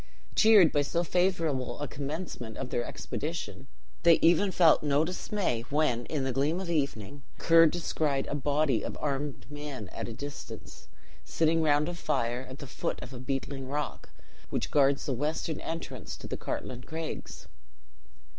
Cheered by so favourable a commencement of their expedition, they even felt no dismay when, in the gloom of the evening, Ker descried a body of armed men at a distance, sitting round a fire at the foot of a beetling rock which guards the western entrance to the Cartlane Craigs.